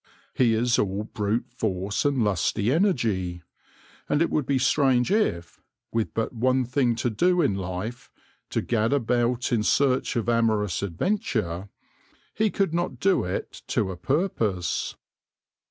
He is all brute force and lusty energy ; and it would be strange if, with but one thing to do in life — to gad about in search of amorous adventure — he could not do it to a purpose.